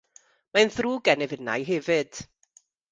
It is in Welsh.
Mae'n ddrwg gennyf innau hefyd.